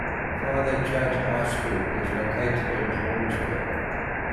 Father Judge High School is located in Holmesburg.